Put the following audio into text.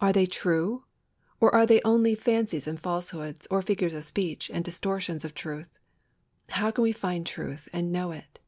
Are they true? Or are they only fancies and falsehoods, or figures of speech and distortions of truth? How can we find truth and know it?